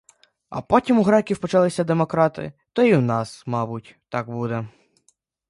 А потім у греків почалися демократи — то і в нас, мабуть, так буде.